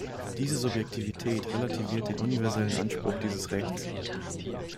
Diese Subjektivität relativiert den universellen Anspruch dieses Rechts.